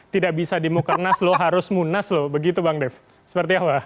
tidak bisa dimukernas lo harus munas begitu bang dev seperti apa